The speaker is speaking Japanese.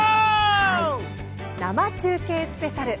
「生中継スペシャル！